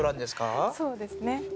そうですね。